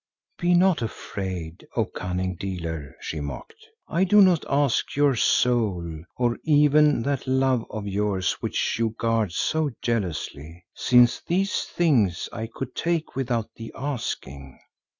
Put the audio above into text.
"Be not afraid, O cunning dealer," she mocked. "I do not ask your soul or even that love of yours which you guard so jealously, since these things I could take without the asking.